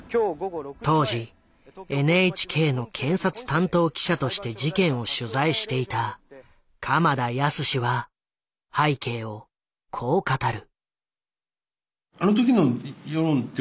当時ＮＨＫの検察担当記者として事件を取材していた鎌田靖は背景をこう語る。